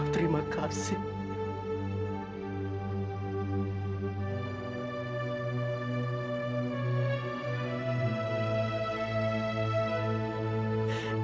terima kasih pak